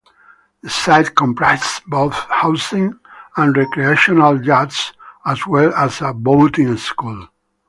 The site comprises both housing and recreational yachts as well as a boating school.